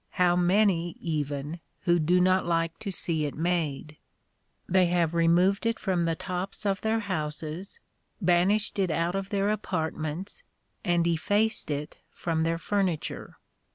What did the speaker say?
How many, even, who do not like to see it made? They have removed it from the tops of their houses, banished it out of their apartments, and effaced it from their furniture.